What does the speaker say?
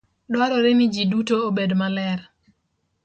Dwarore ni ji duto obed maler.